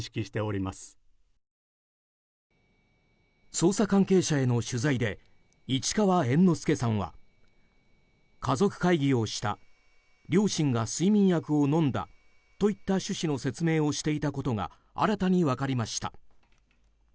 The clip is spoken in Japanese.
捜査関係者への取材で市川猿之助さんは家族会議をした両親が睡眠薬を飲んだといった趣旨の説明をしていたことが新たに分かりました。